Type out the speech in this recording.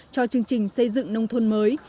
cho chương trình xây dựng nông thôn mới